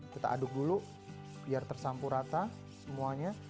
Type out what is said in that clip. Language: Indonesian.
kita aduk dulu biar tersampur rata semuanya